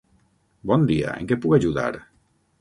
Bon dia, en què puc ajudar?